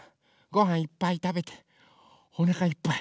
ごはんいっぱいたべておなかいっぱい。